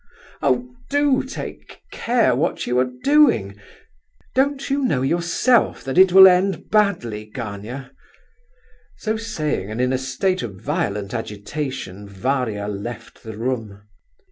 Oh! do take care what you are doing! Don't you know yourself that it will end badly, Gania?" So saying, and in a state of violent agitation, Varia left the room.